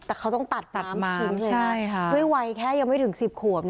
แต่เขาต้องตัดม้ามขึ้นไม่ไวแค่ยังไม่ถึง๑๐ขวบ